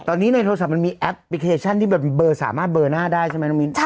ตอนนี้ในโทรศัพท์มันมีแอปพลิเคชันที่แบบเบอร์สามารถเบอร์หน้าได้ใช่ไหมน้องมิ้น